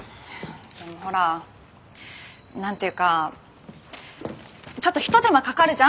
でもほら何て言うかちょっとひと手間かかるじゃん？